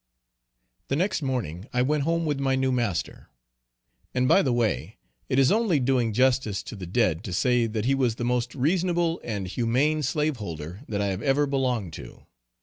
_ The next morning I went home with my new master; and by the way it is only doing justice to the dead to say, that he was the most reasonable, and humane slaveholder that I have ever belonged to.